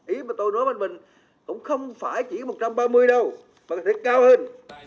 ý mà tôi nói với mình cũng không phải chỉ một trăm ba mươi đâu mà phải cao hơn